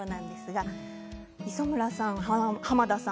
磯村さん、濱田さん